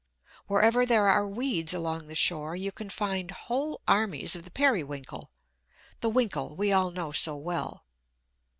Wherever there are weeds along the shore you can find whole armies of the Periwinkle the "Winkle" we all know so well.